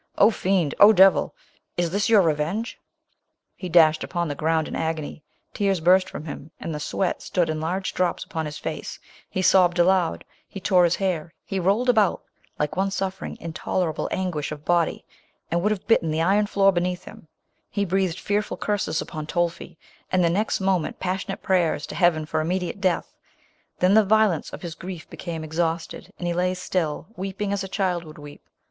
Oh, fiend— oh, devil— is this your revenue '•" He dashed liimselfupoii the ground in :i :ony; — tears burst from him, and the sweat stood in large drops up on his face — he sobbed aloud — he tore his hair — he rolled about like one suffering intolerable anguish of body, and would have bitten the iron floor beneath him; he breathed fear ful curses upon Tolfi, and the next moment passionate prayers to hea ven for immediate death. Then the violence of his grief became ex hausted, and he lay still, weeping as a child would weep.